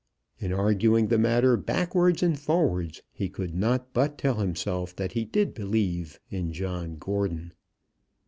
In arguing the matter backwards and forwards, he could not but tell himself that he did believe in John Gordon.